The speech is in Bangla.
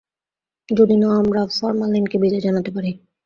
যদি না আমরা ফরমালিনকে বিদায় জানাতে পারি।